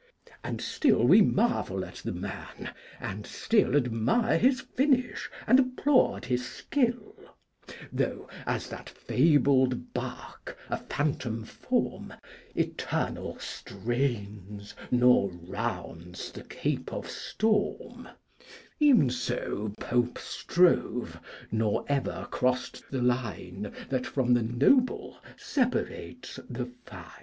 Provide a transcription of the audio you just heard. And still we marvel at the Man, and still Admire his Finish, and applaud his Skill: Though, as that fabled Barque, a phantom Form, Eternal strains, nor rounds the Cape of Storm, Even so Pope strove, nor ever crossed the Line That from the Noble separates the Fine!'